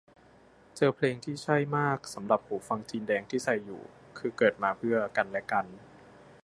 เจอเพลงที่ใช่มากสำหรับหูฟังจีนแดงที่ใส่อยู่ คือเกิดมาเพื่อกันและกัน